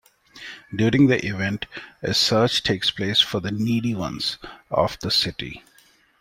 During the event, a search takes place for the needy ones of the city.